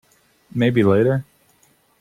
Maybe later.